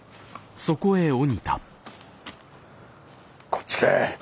こっちか。